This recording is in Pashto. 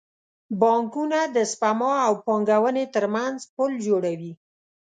بانکونه د سپما او پانګونې ترمنځ پل جوړوي.